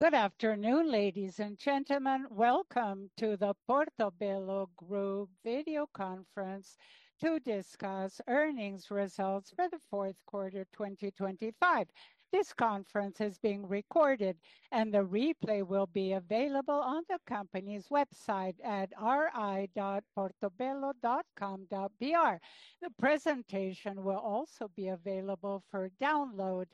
Good afternoon, ladies and gentlemen. Welcome to the Portobello Group video conference to discuss earnings results for the fourth quarter 2025. This conference is being recorded, and the replay will be available on the company's website at ri.portobello.com.br. The presentation will also be available for download.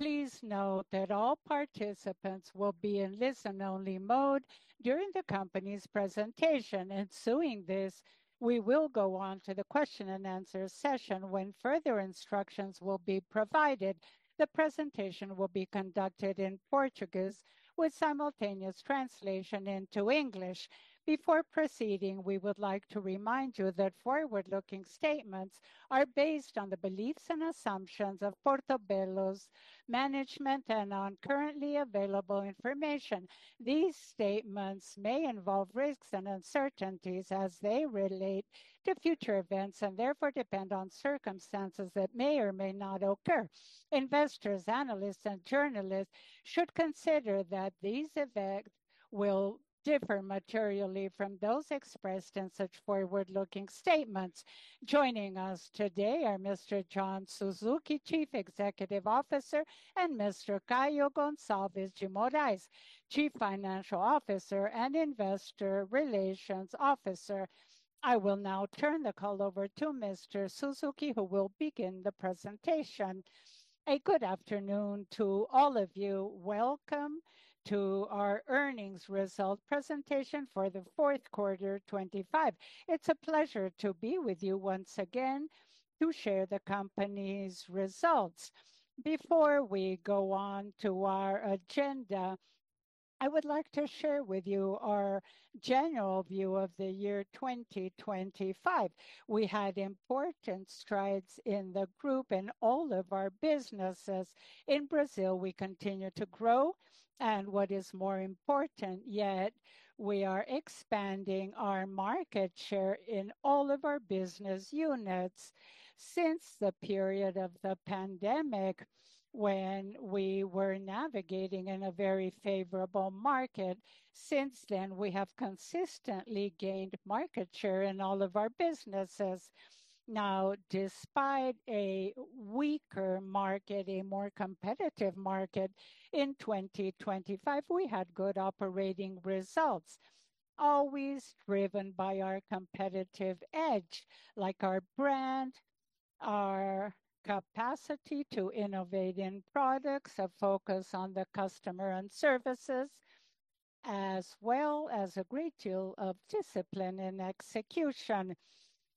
Please note that all participants will be in listen-only mode during the company's presentation. Ensuing this, we will go on to the question and answer session when further instructions will be provided. The presentation will be conducted in Portuguese with simultaneous translation into English. Before proceeding, we would like to remind you that forward-looking statements are based on the beliefs and assumptions of Portobello's management and on currently available information. These statements may involve risks and uncertainties as they relate to future events, and therefore depend on circumstances that may or may not occur. Investors, analysts, and journalists should consider that these effects will differ materially from those expressed in such forward-looking statements. Joining us today are Mr. John Suzuki, Chief Executive Officer, and Mr. Caio Gonçalves de Moraes, Chief Financial Officer and Investor Relations Officer. I will now turn the call over to Mr. Suzuki, who will begin the presentation. Good afternoon to all of you. Welcome to our earnings result presentation for the fourth quarter 2025. It's a pleasure to be with you once again to share the company's results. Before we go on to our agenda, I would like to share with you our general view of the year 2025. We had important strides in the group and all of our businesses. In Brazil, we continue to grow, and what is more important yet, we are expanding our market share in all of our business units. Since the period of the pandemic when we were navigating in a very favorable market, since then, we have consistently gained market share in all of our businesses. Now, despite a weaker market, a more competitive market in 2025, we had good operating results, always driven by our competitive edge, like our brand, our capacity to innovate in products, a focus on the customer and services, as well as a great deal of discipline in execution.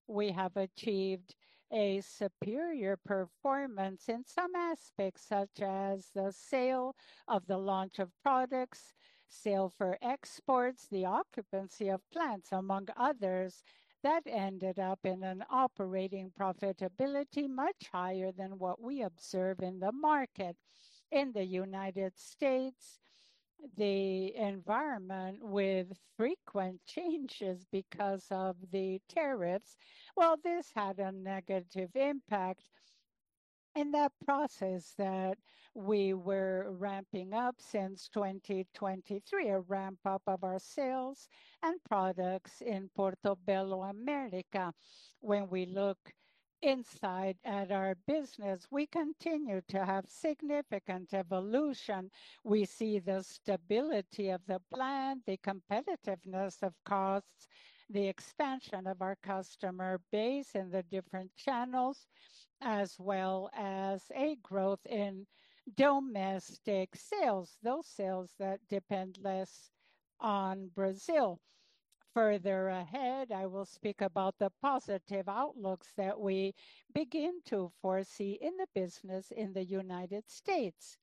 We have achieved a superior performance in some aspects, such as the sales, the launch of products, sales for exports, the occupancy of plants, among others, that ended up in an operating profitability much higher than what we observe in the market. In the United States, the environment with frequent changes because of the tariffs, well, this had a negative impact in that process that we were ramping up since 2023, a ramp-up of our sales and products in Portobello America. When we look inside at our business, we continue to have significant evolution. We see the stability of the plan, the competitiveness of costs, the expansion of our customer base in the different channels, as well as a growth in domestic sales, those sales that depend less on Brazil. Further ahead, I will speak about the positive outlooks that we begin to foresee in the business in the United States.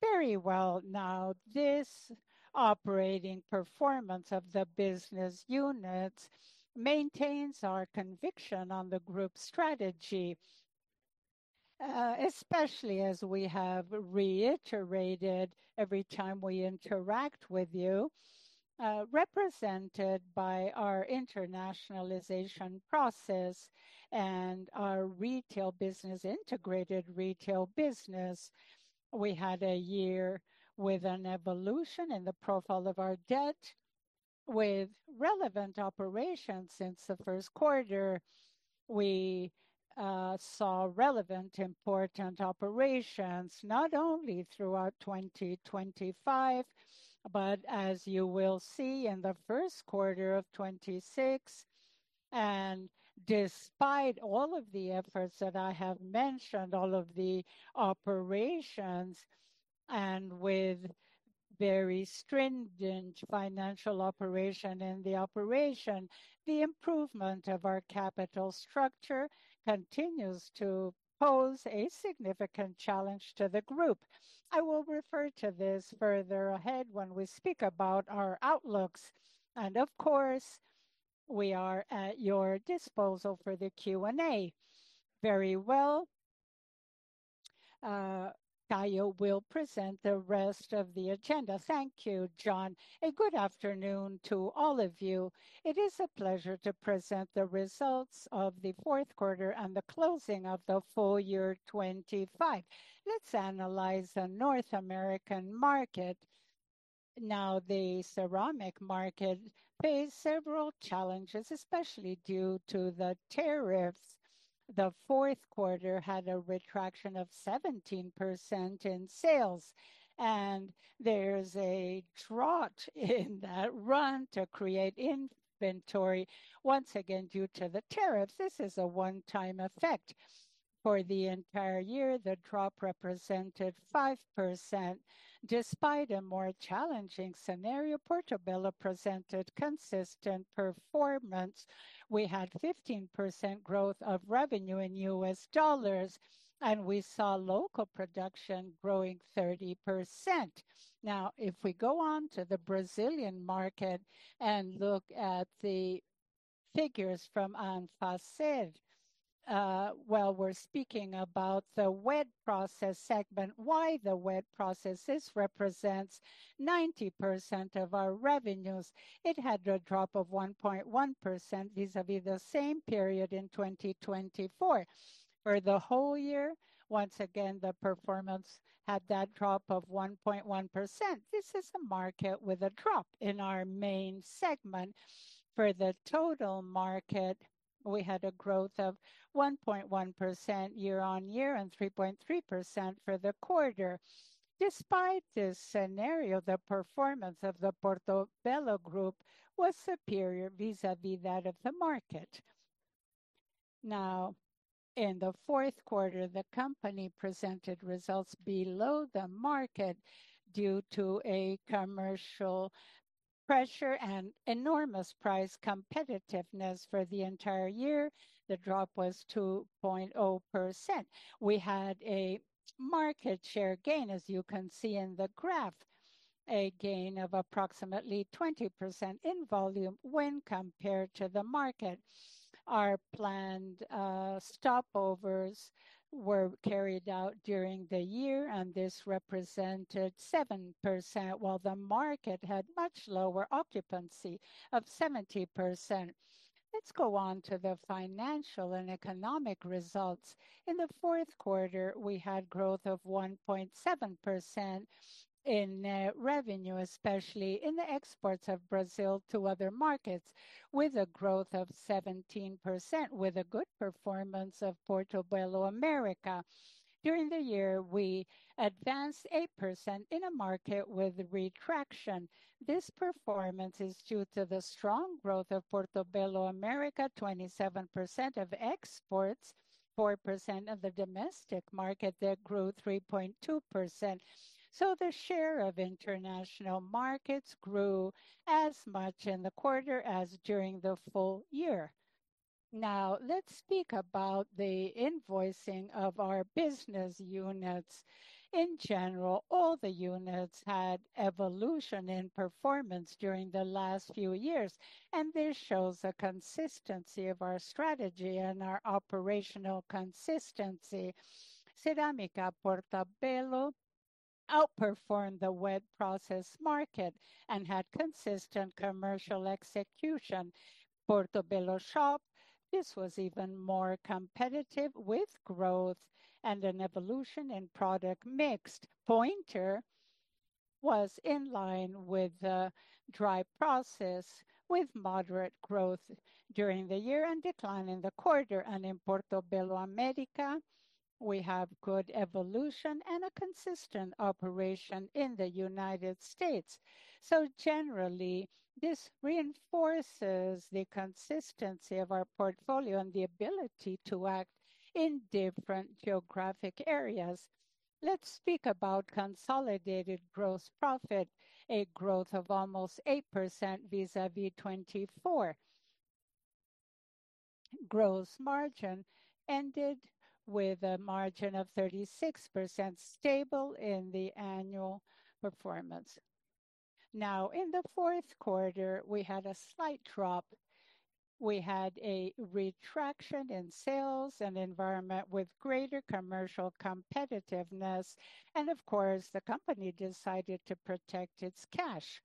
Very well. Now, this operating performance of the business units maintains our conviction on the group strategy, especially as we have reiterated every time we interact with you, represented by our internationalization process and our retail business, integrated retail business. We had a year with an evolution in the profile of our debt with relevant operations since the first quarter. We saw relevant, important operations not only throughout 2025, but as you will see in the first quarter of 2026. Despite all of the efforts that I have mentioned, all of the operations, and with very stringent financial operation in the operation, the improvement of our capital structure continues to pose a significant challenge to the group. I will refer to this further ahead when we speak about our outlooks. Of course, we are at your disposal for the Q&A. Very well. Caio will present the rest of the agenda. Thank you, John. Good afternoon to all of you. It is a pleasure to present the results of the fourth quarter and the closing of the full-year 2025. Let's analyze the North American market. Now, the ceramic market faced several challenges, especially due to the tariffs. The fourth quarter had a retraction of 17% in sales, and there's a drought in the run-up to create inventory, once again, due to the tariffs. This is a one-time effect. For the entire year, the drop represented 5%. Despite a more challenging scenario, Portobello presented consistent performance. We had 15% growth of revenue in U.S. dollars, and we saw local production growing 30%. Now, if we go on to the Brazilian market and look at the figures from Anfacer, we're speaking about the wet process segment. Why the wet process? This represents 90% of our revenues. It had a drop of 1.1% vis-à-vis the same period in 2024. For the whole year, once again, the performance had that drop of 1.1%. This is a market with a drop in our main segment. For the total market, we had a growth of 1.1% year-on-year and 3.3% for the quarter. Despite this scenario, the performance of the Portobello Group was superior vis-à-vis that of the market. Now, in the fourth quarter, the company presented results below the market due to a commercial pressure and enormous price competitiveness. For the entire year, the drop was 2.0%. We had a market share gain, as you can see in the graph, a gain of approximately 20% in volume when compared to the market. Our planned stoppages were carried out during the year, and this represented 7%, while the market had much lower occupancy of 70%. Let's go on to the financial and economic results. In the fourth quarter, we had growth of 1.7% in revenue, especially in the exports from Brazil to other markets, with a growth of 17% with a good performance of Portobello America. During the year, we advanced 8% in a market with retraction. This performance is due to the strong growth of Portobello America, 27% of exports, 4% of the domestic market that grew 3.2%. The share of international markets grew as much in the quarter as during the full-year. Now, let's speak about the invoicing of our business units. In general, all the units had evolution in performance during the last few years, and this shows a consistency of our strategy and our operational consistency. Cerâmica Portobello outperformed the wet process market and had consistent commercial execution. Portobello Shop, this was even more competitive with growth and an evolution in product mix. Pointer was in line with the dry process with moderate growth during the year and decline in the quarter. In Portobello America, we have good evolution and a consistent operation in the United States. Generally, this reinforces the consistency of our portfolio and the ability to act in different geographic areas. Let's speak about consolidated gross profit, a growth of almost 8% vis-à-vis 2024. Gross margin ended with a margin of 36% stable in the annual performance. Now, in the fourth quarter, we had a slight drop. We had a contraction in sales environment with greater commercial competitiveness, and of course, the company decided to protect its cash.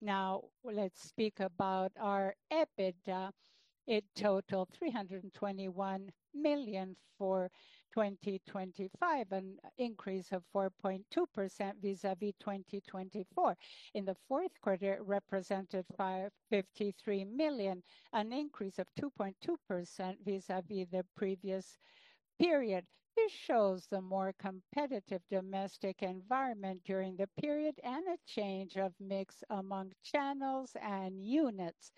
Now, let's speak about our EBITDA. It totaled 321 million for 2025, an increase of 4.2% vis-à-vis 2024. In the fourth quarter, it represented 53 million, an increase of 2.2% vis-à-vis the previous period. This shows the more competitive domestic environment during the period and a change of mix among channels and units.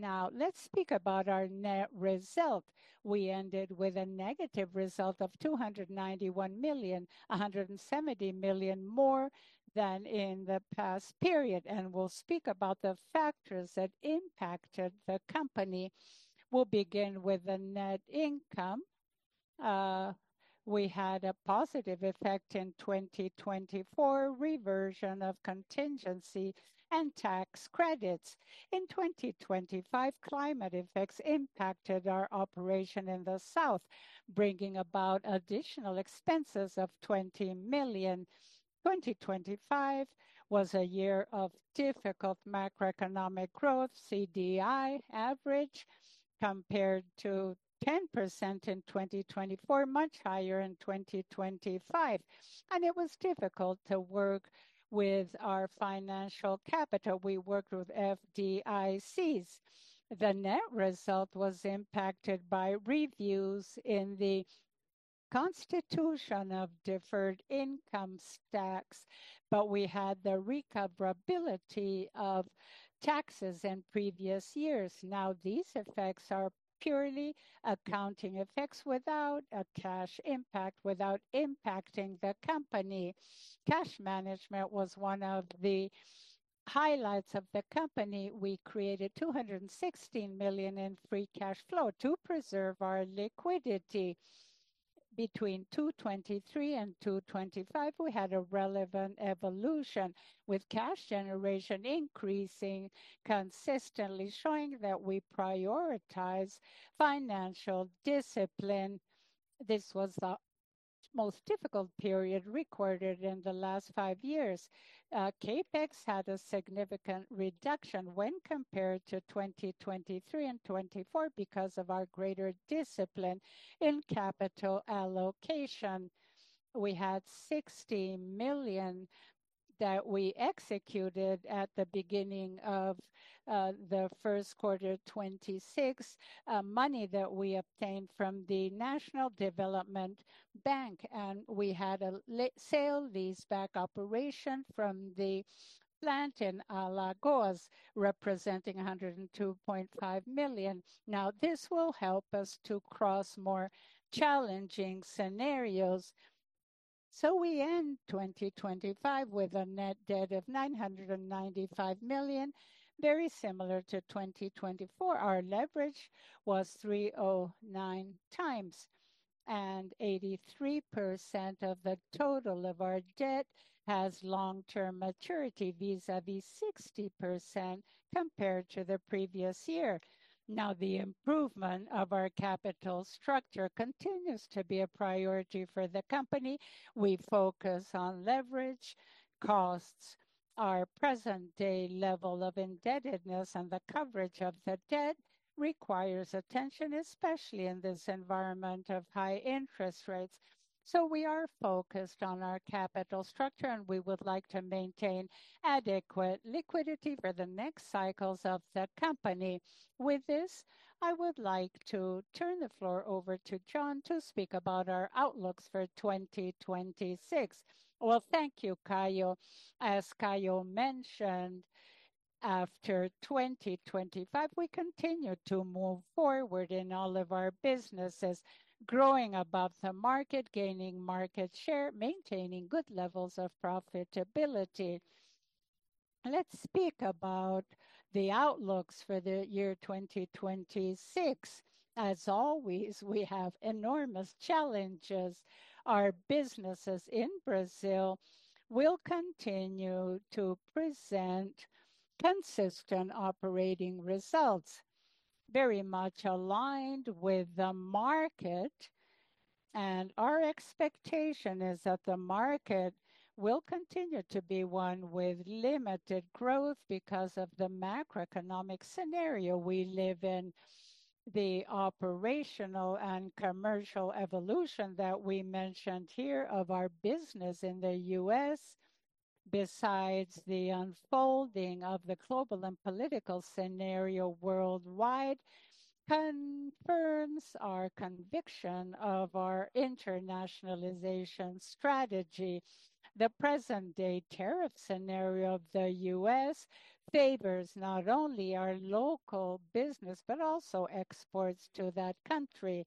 Now, let's speak about our net result. We ended with a negative result of 291 million, 170 million more than in the past period, and we'll speak about the factors that impacted the company. We'll begin with the net income. We had a positive effect in 2024, reversion of contingency and tax credits. In 2025, climate effects impacted our operation in the south, bringing about additional expenses of 20 million. 2025 was a year of difficult macroeconomic growth. CDI average compared to 10% in 2024, much higher in 2025. It was difficult to work with our financial capital. We worked with FIDCs. The net result was impacted by reversal in the constitution of deferred income tax, but we had the recoverability of taxes in previous years. Now, these effects are purely accounting effects without a cash impact, without impacting the company. Cash management was one of the highlights of the company. We created 216 million in free cash flow to preserve our liquidity. Between 2023 and 2025, we had a relevant evolution, with cash generation increasing consistently, showing that we prioritize financial discipline. This was the most difficult period recorded in the last five years. CapEx had a significant reduction when compared to 2023 and 2024 because of our greater discipline in capital allocation. We had 60 million that we executed at the beginning of the first quarter of 2026, money that we obtained from the Brazilian Development Bank, and we had a sale-leaseback operation from the plant in Alagoas, representing 102.5 million. Now, this will help us to cross more challenging scenarios. We end 2025 with a net debt of 995 million, very similar to 2024. Our leverage was 3.09x, and 83% of the total of our debt has long-term maturity vis-a-vis 60% compared to the previous year. Now, the improvement of our capital structure continues to be a priority for the company. We focus on leverage costs. Our present-day level of indebtedness and the coverage of the debt requires attention, especially in this environment of high interest rates. We are focused on our capital structure, and we would like to maintain adequate liquidity for the next cycles of the company. With this, I would like to turn the floor over to John to speak about our outlooks for 2026. Well, thank you, Caio. As Caio mentioned, after 2025, we continue to move forward in all of our businesses, growing above the market, gaining market share, maintaining good levels of profitability. Let's speak about the outlooks for the year 2026. As always, we have enormous challenges. Our businesses in Brazil will continue to present consistent operating results very much aligned with the market, and our expectation is that the market will continue to be one with limited growth because of the macroeconomic scenario we live in. The operational and commercial evolution that we mentioned here of our business in the U.S., besides the unfolding of the global and political scenario worldwide, confirms our conviction of our internationalization strategy. The present-day tariff scenario of the U.S. favors not only our local business, but also exports to that country.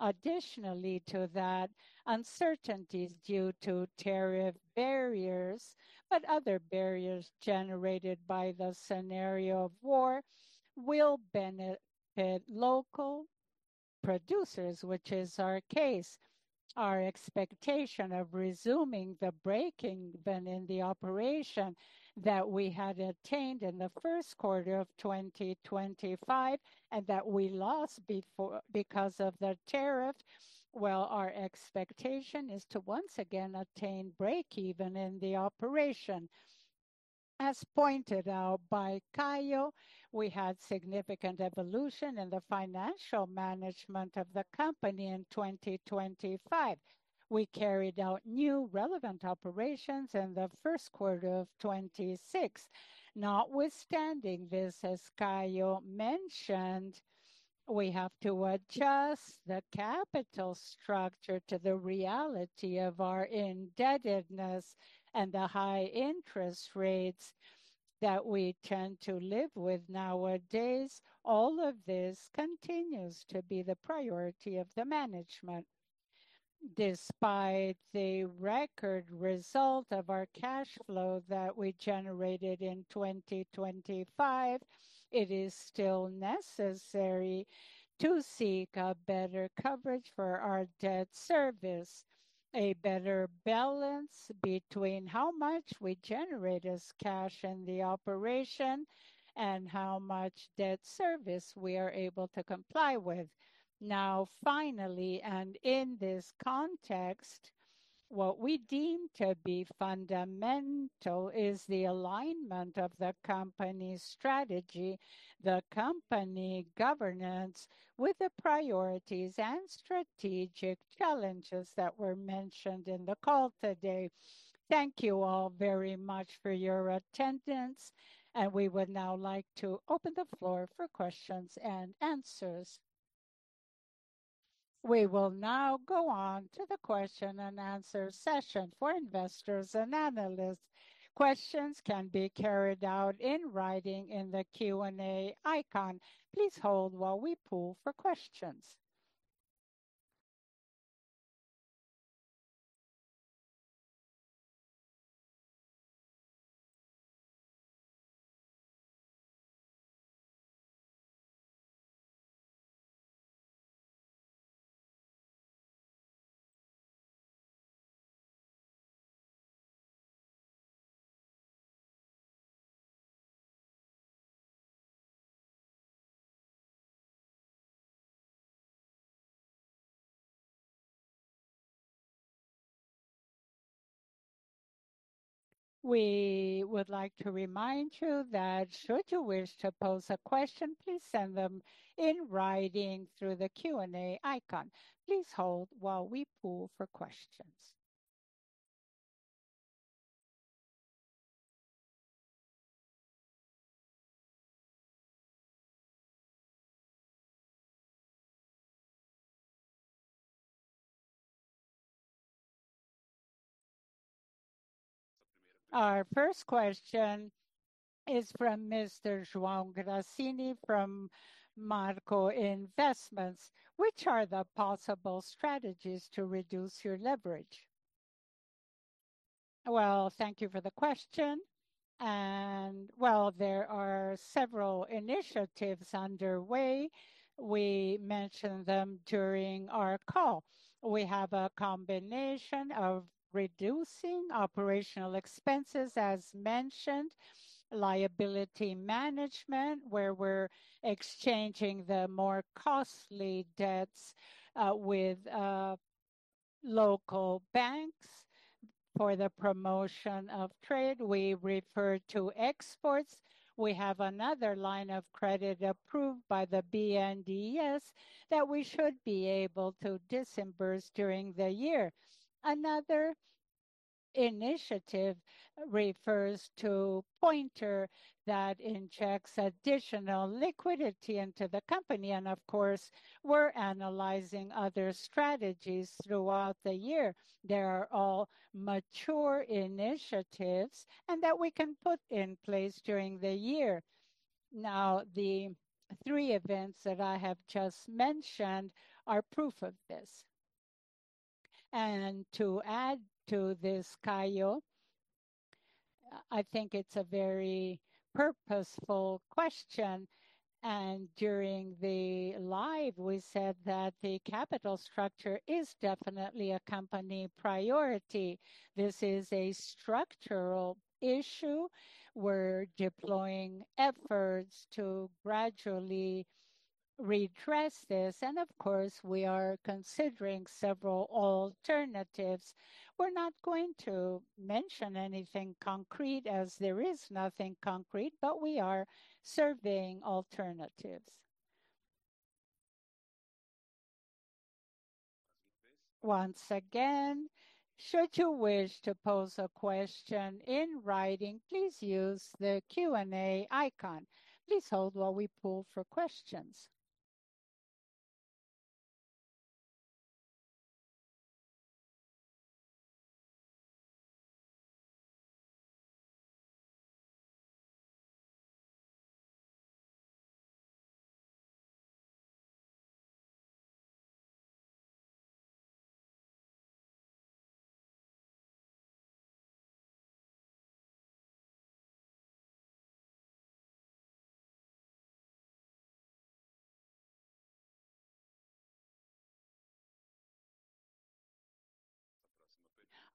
Additionally to that, uncertainties due to tariff barriers, but other barriers generated by the scenario of war will benefit local producers, which is our case. Our expectation of resuming the breakeven in the operation that we had attained in the first quarter of 2025 and that we lost before, because of the tariff. Well, our expectation is to once again attain breakeven in the operation. As pointed out by Caio, we had significant evolution in the financial management of the company in 2025. We carried out new relevant operations in the first quarter of 2026. Notwithstanding this, as Caio mentioned, we have to adjust the capital structure to the reality of our indebtedness and the high interest rates that we tend to live with nowadays. All of this continues to be the priority of the management. Despite the record result of our cash flow that we generated in 2025, it is still necessary to seek a better coverage for our debt service, a better balance between how much we generate as cash in the operation and how much debt service we are able to comply with. Now finally, in this context, what we deem to be fundamental is the alignment of the company's strategy, the company governance, with the priorities and strategic challenges that were mentioned in the call today. Thank you all very much for your attendance, and we would now like to open the floor for questions and answers. We will now go on to the question and answer session for investors and analysts. Questions can be carried out in writing in the Q&A icon. Please hold while we poll for questions. We would like to remind you that should you wish to pose a question, please send them in writing through the Q&A icon. Please hold while we poll for questions. Our first question is from Mr. João Grassini from Marco Investments. Which are the possible strategies to reduce your leverage? Well, thank you for the question. Well, there are several initiatives underway. We mentioned them during our call. We have a combination of reducing operational expenses, as mentioned, liability management, where we're exchanging the more costly debts with local banks for the promotion of trade. We refer to exports. We have another line of credit approved by the BNDES that we should be able to disburse during the year. Another initiative refers to Pointer that injects additional liquidity into the company. Of course, we're analyzing other strategies throughout the year. They are all mature initiatives and that we can put in place during the year. Now, the three events that I have just mentioned are proof of this. To add to this, Caio, I think it's a very purposeful question, and during the live we said that the capital structure is definitely a company priority. This is a structural issue. We're deploying efforts to gradually redress this. Of course, we are considering several alternatives. We're not going to mention anything concrete as there is nothing concrete, but we are surveying alternatives. Once again, should you wish to pose a question in writing, please use the Q&A icon. Please hold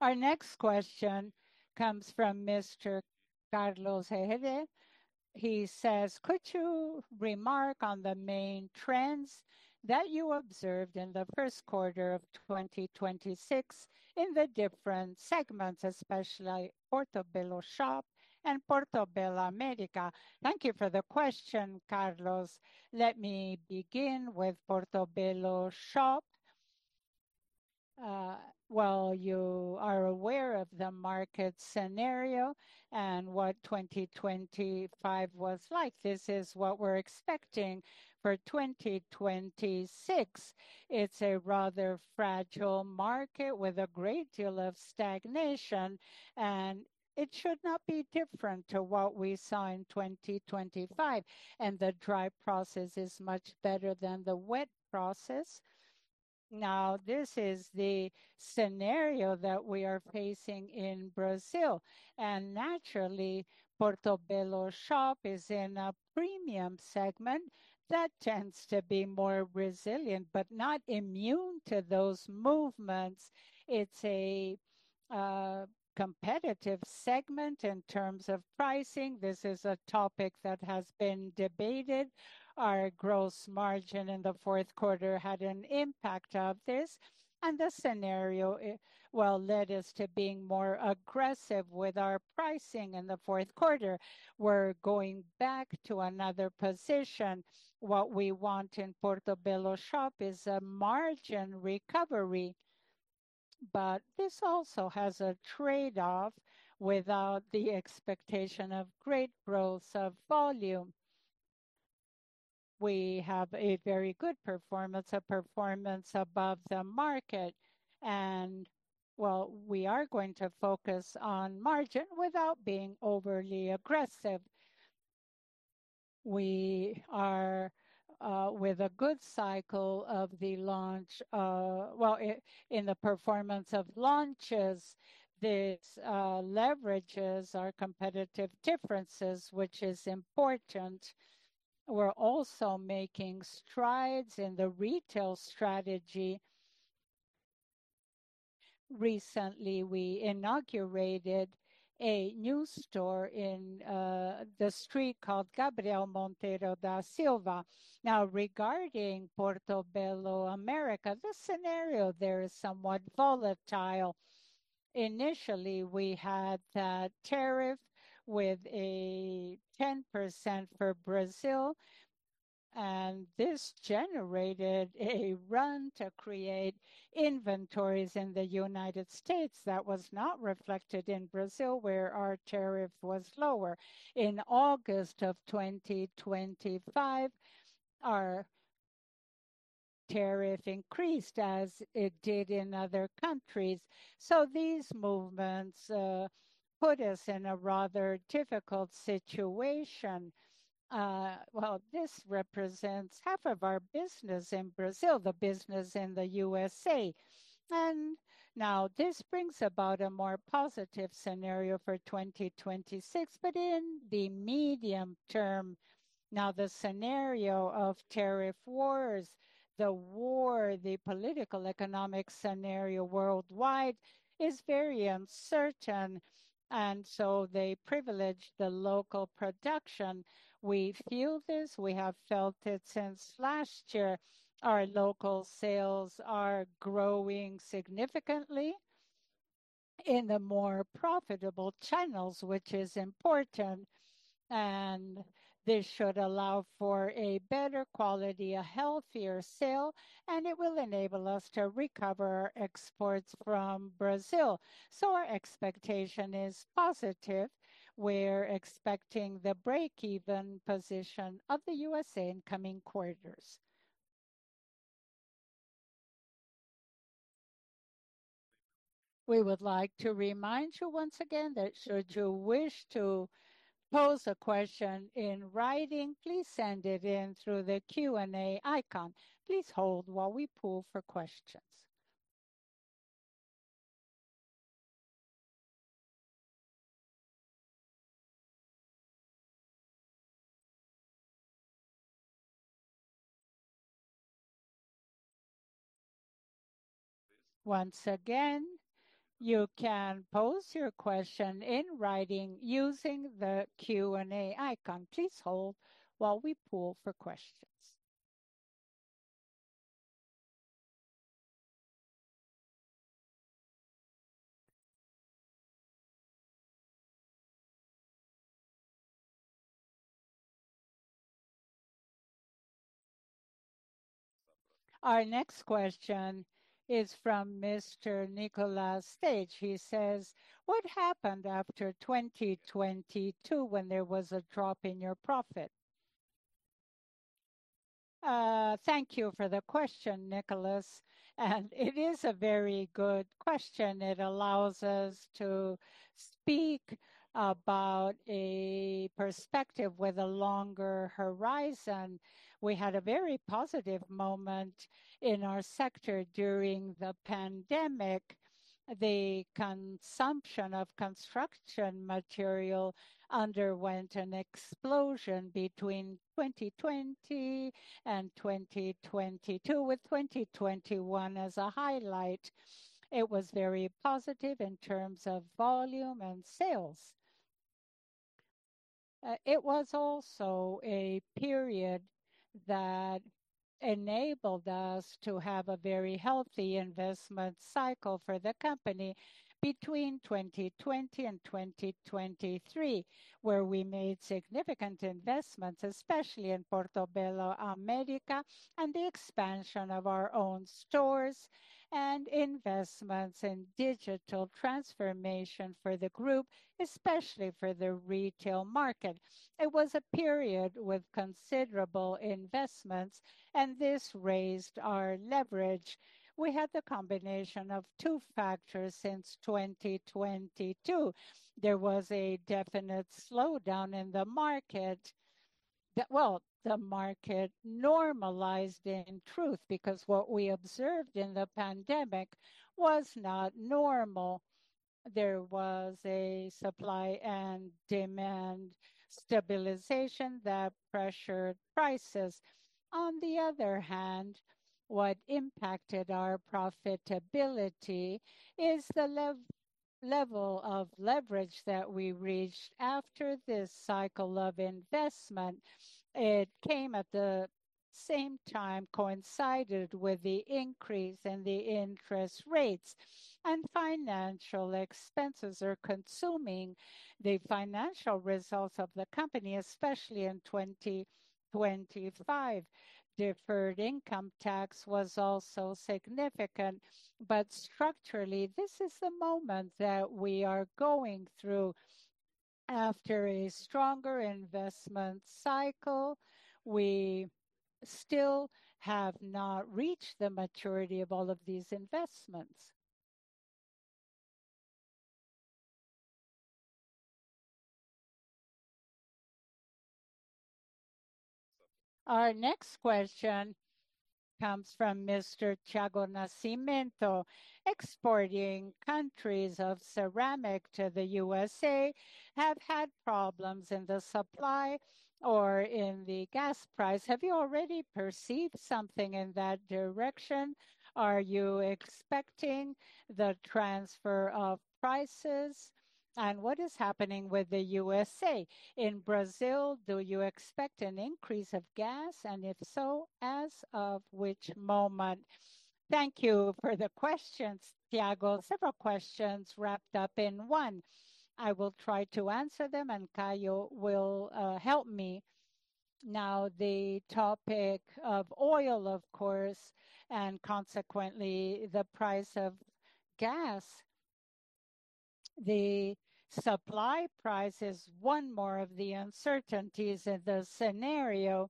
while we poll for questions. Our next question comes from Mr. Carlos Rege. He says, "Could you remark on the main trends that you observed in the first quarter of 2026 in the different segments, especially Portobello Shop and Portobello America?" Thank you for the question, Carlos. Let me begin with Portobello Shop. You are aware of the market scenario and what 2025 was like. This is what we're expecting for 2026. It's a rather fragile market with a great deal of stagnation, and it should not be different to what we saw in 2025, and the dry process is much better than the wet process. Now, this is the scenario that we are facing in Brazil. Naturally, Portobello Shop is in a premium segment that tends to be more resilient but not immune to those movements. It's a competitive segment in terms of pricing. This is a topic that has been debated. Our gross margin in the fourth quarter had an impact of this, and the scenario led us to being more aggressive with our pricing in the fourth quarter. We're going back to another position. What we want in Portobello Shop is a margin recovery. This also has a trade-off without the expectation of great growth of volume. We have a very good performance above the market, and we are going to focus on margin without being overly aggressive. We are with a good cycle of the launch, in the performance of launches, this leverages our competitive differences, which is important. We're also making strides in the retail strategy. Recently, we inaugurated a new store in the street called Gabriel Monteiro da Silva. Now, regarding Portobello America, the scenario there is somewhat volatile. Initially, we had that tariff with a 10% for Brazil, and this generated a run to create inventories in the United States that was not reflected in Brazil, where our tariff was lower. In August of 2025, our tariff increased as it did in other countries. These movements put us in a rather difficult situation. This represents half of our business in Brazil, the business in the USA. Now this brings about a more positive scenario for 2026. In the medium term, now the scenario of tariff wars, the war, the political, economic scenario worldwide is very uncertain, and so they privilege the local production. We feel this. We have felt it since last year. Our local sales are growing significantly in the more profitable channels, which is important, and this should allow for a better quality, a healthier sale, and it will enable us to recover exports from Brazil. Our expectation is positive. We're expecting the breakeven position of the USA in coming quarters. Our next question is from Mr. Nicholas Stage. He says: "What happened after 2022 when there was a drop in your profit?" Thank you for the question, Nicholas, and it is a very good question. It allows us to speak about a perspective with a longer horizon. We had a very positive moment in our sector during the pandemic. The consumption of construction material underwent an explosion between 2020 and 2022, with 2021 as a highlight. It was very positive in terms of volume and sales. It was also a period that enabled us to have a very healthy investment cycle for the company between 2020 and 2023, where we made significant investments, especially in Portobello America and the expansion of our own stores and investments in digital transformation for the group, especially for the retail market. It was a period with considerable investments, and this raised our leverage. We had the combination of two factors since 2022. There was a definite slowdown in the market. Well, the market normalized in truth, because what we observed in the pandemic was not normal. There was a supply and demand stabilization that pressured prices. On the other hand, what impacted our profitability is the level of leverage that we reached after this cycle of investment. It came at the same time, coincided with the increase in the interest rates, and financial expenses are consuming the financial results of the company, especially in 2025. Deferred income tax was also significant. Structurally, this is the moment that we are going through. After a stronger investment cycle, we still have not reached the maturity of all of these investments. Our next question comes from Mr. Tiago Nascimento. Exporting countries of ceramic to the USA have had problems in the supply or in the gas price. Have you already perceived something in that direction? Are you expecting the transfer of prices, and what is happening with the USA? In Brazil, do you expect an increase of gas, and if so, as of which moment? Thank you for the questions, Tiago. Several questions wrapped up in one. I will try to answer them, and Caio will help me. Now, the topic of oil, of course, and consequently the price of gas. The supply price is one more of the uncertainties in the scenario.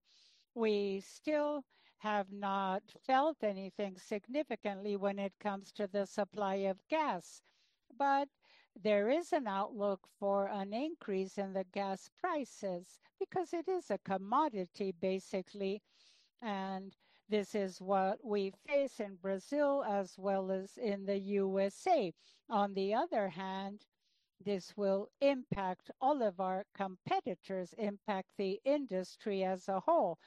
We still have not felt anything significantly when it comes to the supply of gas, but there is an outlook for an increase in the gas prices because it is a commodity, basically, and this is what we face in Brazil as well as in the USA. On the other hand, this will impact all of our competitors, impact the industry as a whole.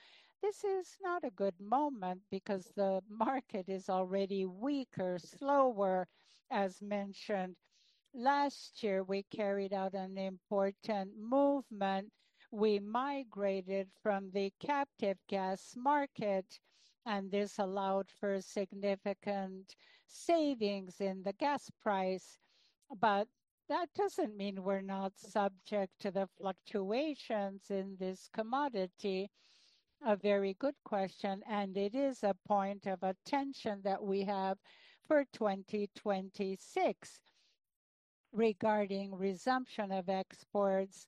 This is not a good moment because the market is already weaker, slower, as mentioned. Last year, we carried out an important movement. We migrated from the captive gas market, and this allowed for significant savings in the gas price. That doesn't mean we're not subject to the fluctuations in this commodity. A very good question, and it is a point of attention that we have for 2026. Regarding resumption of exports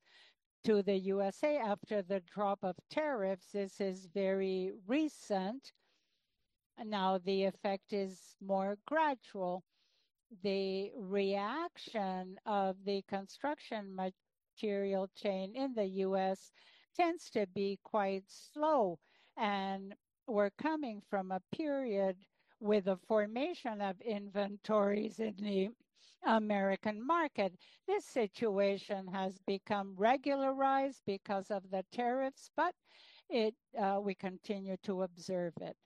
to the U.S. after the drop of tariffs, this is very recent. Now the effect is more gradual. The reaction of the construction material chain in the U.S. tends to be quite slow, and we're coming from a period with a formation of inventories in the American market. This situation has become regularized because of the tariffs, but we continue to observe it.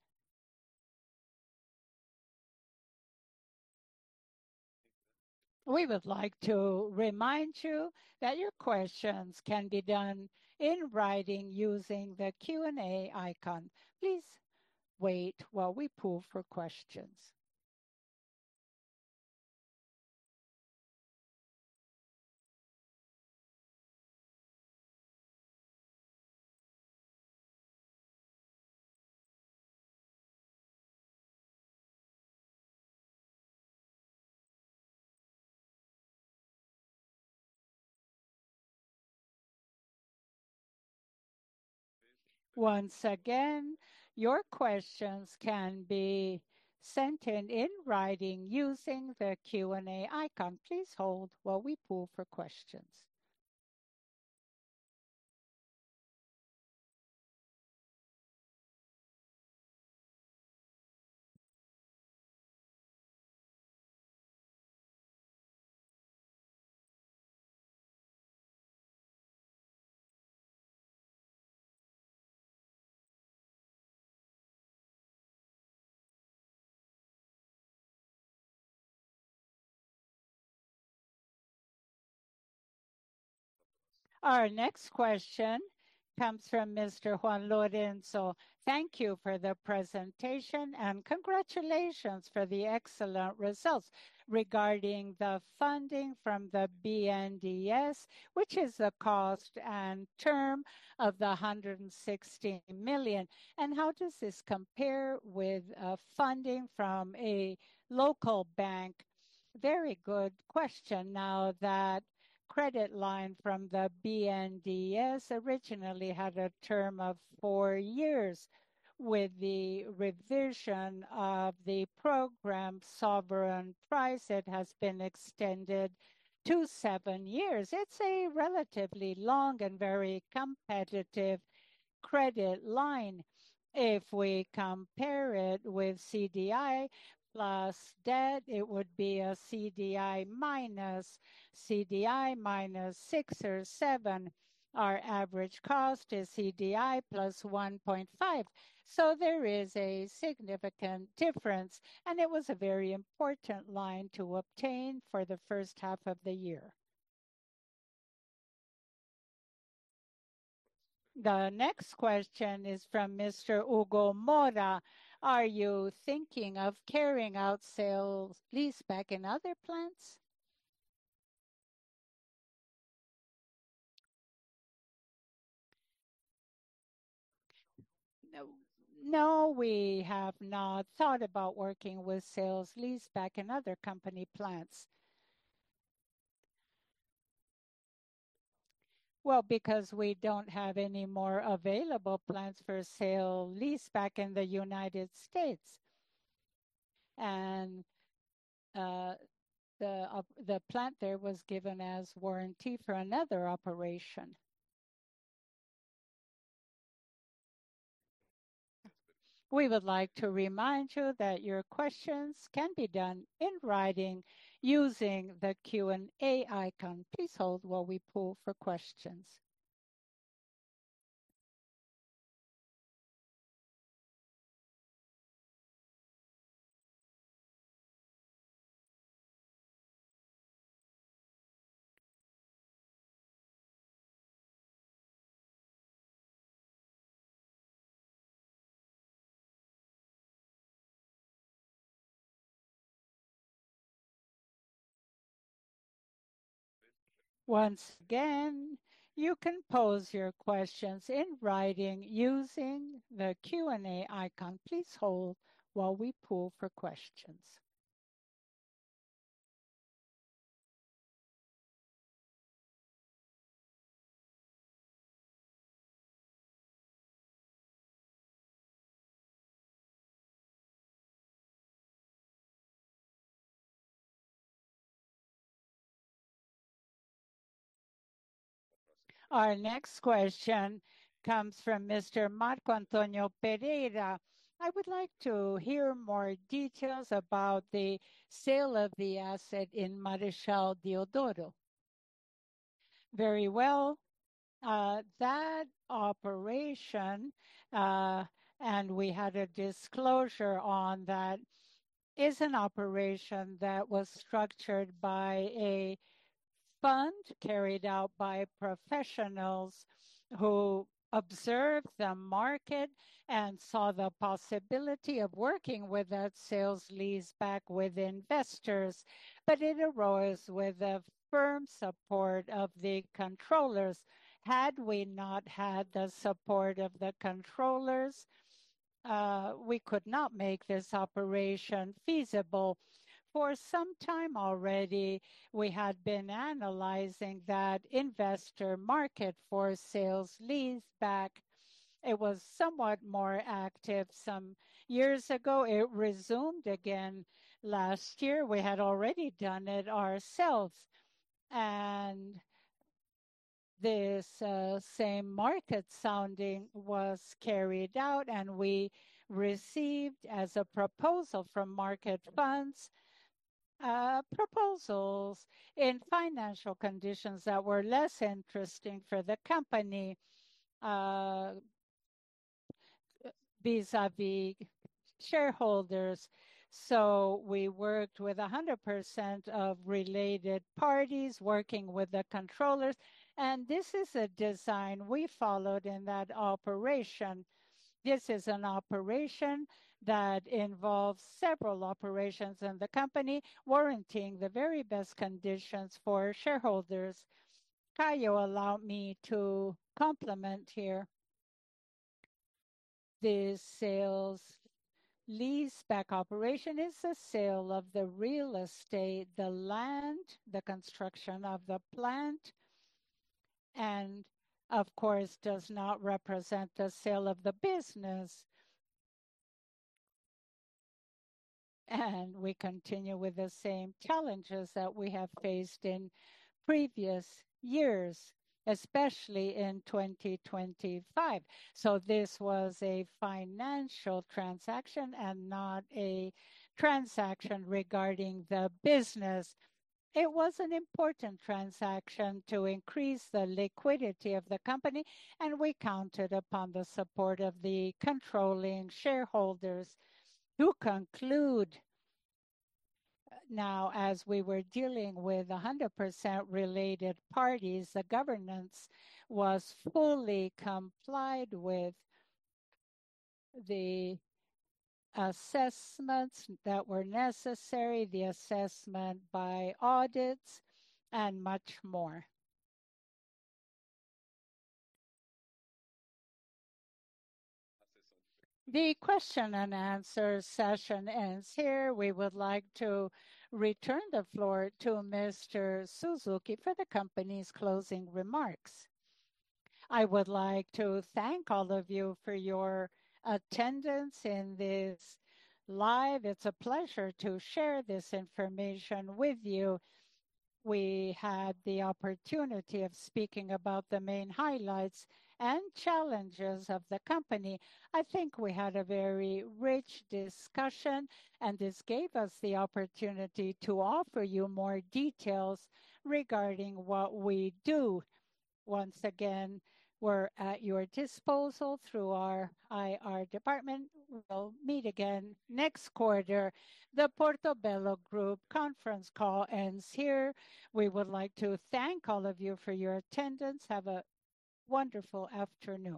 Our next question comes from Mr. Juan Lorenzo. Thank you for the presentation, and congratulations for the excellent results. Regarding the funding from the BNDES, what is the cost and term of the 160 million, and how does this compare with funding from a local bank? Very good question. Now, that credit line from the BNDES originally had a term of four years. With the revision of the program Brasil Soberano, it has been extended to seven years. It's a relatively long and very competitive credit line. If we compare it with CDI plus debt, it would be a CDI minus CDI minus six or seven. Our average cost is CDI plus 1.5, so there is a significant difference, and it was a very important line to obtain for the first half of the year. The next question is from Mr. Hugo Mora. Are you thinking of carrying out sale-leaseback in other plants? No, we have not thought about working with sale-leaseback in other company plants. Well, because we don't have any more available plants for sale-leaseback in the United States. The plant there was given as warranty for another operation. We would like to remind you that your questions can be done in writing using the Q&A icon. Please hold while we poll for questions. Our next question comes from Mr. Marco Antonio Pereira. I would like to hear more details about the sale of the asset in Marechal Deodoro. Very well. That operation, and we had a disclosure on that, is an operation that was structured by a fund carried out by professionals who observed the market and saw the possibility of working with that sale-leaseback with investors, but it arose with the firm support of the controllers. Had we not had the support of the controllers, we could not make this operation feasible. For some time already, we had been analyzing that investor market for sale-leaseback. It was somewhat more active some years ago. It resumed again last year. We had already done it ourselves, and this same market sounding was carried out and we received as a proposal from market funds proposals in financial conditions that were less interesting for the company vis-à-vis shareholders. We worked with 100% of related parties working with the controllers, and this is a design we followed in that operation. This is an operation that involves several operations in the company, warranting the very best conditions for shareholders. Caio, allow me to complement here. The sale-leaseback operation is a sale of the real estate, the land, the construction of the plant, and of course, does not represent the sale of the business. We continue with the same challenges that we have faced in previous years, especially in 2025. This was a financial transaction and not a transaction regarding the business. It was an important transaction to increase the liquidity of the company, and we counted upon the support of the controlling shareholders. To conclude, now, as we were dealing with 100% related parties, the governance was fully complied with the assessments that were necessary, the assessment by audits, and much more. The question and answer session ends here. We would like to return the floor to Mr. Suzuki for the company's closing remarks. I would like to thank all of you for your attendance in this live. It's a pleasure to share this information with you. We had the opportunity of speaking about the main highlights and challenges of the company. I think we had a very rich discussion, and this gave us the opportunity to offer you more details regarding what we do. Once again, we're at your disposal through our IR department. We'll meet again next quarter. The Portobello Group conference call ends here. We would like to thank all of you for your attendance. Have a wonderful afternoon.